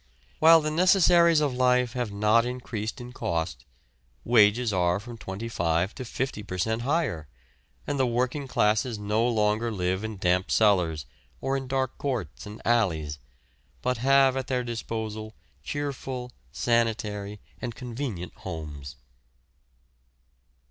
While the necessaries of life have not increased in cost, wages are from twenty five to fifty per cent. higher, and the working classes no longer live in damp cellars or in dark courts and alleys, but have at their disposal cheerful, sanitary, and convenient homes.